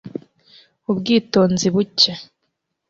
Ubwitonzi buke